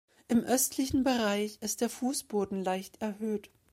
Im östlichen Bereich ist der Fußboden leicht erhöht.